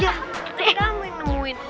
itu kita yang nemuin